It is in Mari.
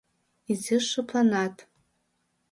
Изиш шыпланат.